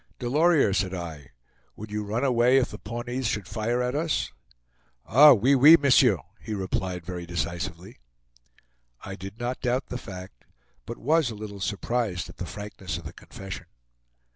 "Delorier," said I, "would you run away if the Pawnees should fire at us?" "Ah! oui, oui, monsieur!" he replied very decisively. I did not doubt the fact, but was a little surprised at the frankness of the confession.